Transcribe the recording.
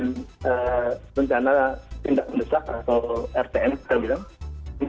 dengan rencana tindak mendesak atau rtm kita bilang